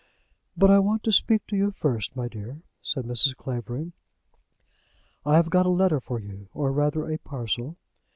"But I want to speak to you first, my dear," said Mrs. Clavering. "I have got a letter for you, or rather a parcel."